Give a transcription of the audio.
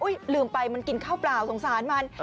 ลืมไปมันกินข้าวเปล่าสงสารมัน